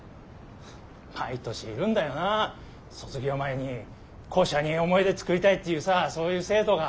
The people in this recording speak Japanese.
毎年いるんだよなあ卒業前に校舎に思い出作りたいっていうさそういう生徒が。